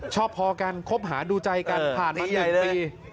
ชอบพอกันคบหาดูใจกันผ่านมา๑ปี